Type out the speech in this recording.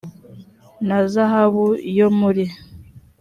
na zahabu yo muri